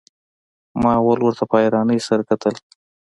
ما اول ورته په حيرانۍ سره کتل.